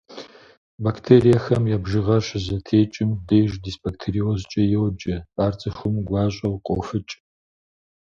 Бактериехэм я бжыгъэр щызэтекӏым деж дисбактериозкӏэ йоджэ, ар цӏыхум гуащӏэу къофыкӏ.